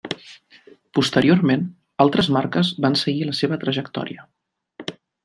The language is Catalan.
Posteriorment, altres marques van seguir la seva trajectòria.